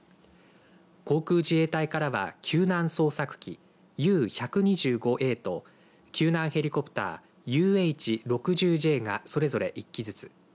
航空自衛隊からは救難捜索機Ｕ１２５Ａと救難ヘリコプターはＵＨ６０Ｊがそれぞれ１機ずつ。